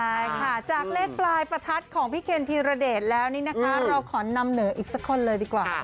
ใช่ค่ะจากเลขปลายประทัดของพี่เคนธีรเดชแล้วนี่นะคะเราขอนำเหนออีกสักคนเลยดีกว่า